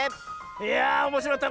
いやあおもしろかった。